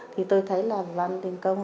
thì tôi thấy là văn đình công